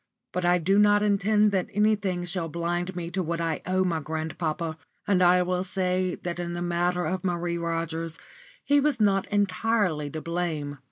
But I do not intend that anything shall blind me to what I owe my grandpapa; and I will say that in the matter of Marie Rogers he was not entirely to blame.